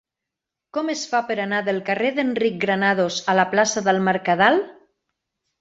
Com es fa per anar del carrer d'Enric Granados a la plaça del Mercadal?